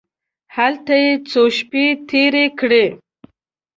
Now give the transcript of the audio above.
هلته یې څو شپې تېرې کړې.